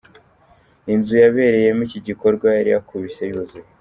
Inzu yabereyemo iki gikorwa yari yakubise yuzuye.